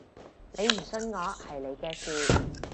你唔信我係你嘅事